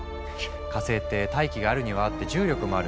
火星って大気があるにはあって重力もある。